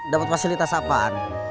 dapet fasilitas apaan